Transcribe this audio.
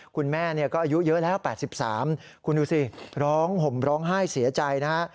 คุณแม่ก็อายุเยอะแล้ว๘๓คุณดูสิร้องห่มร้องไห้เสียใจนะฮะ